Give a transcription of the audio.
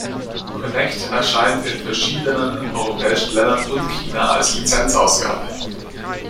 Connect erscheint in verschiedenen europäischen Ländern und China als Lizenzausgabe.